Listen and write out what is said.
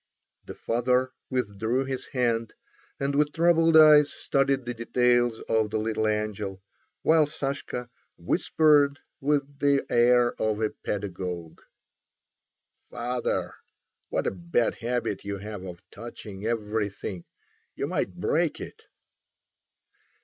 The father withdrew his hand, and with troubled eyes studied the details of the little angel, while Sashka whispered with the air of a pedagogue: "Father, what a bad habit you have of touching everything! You might break it."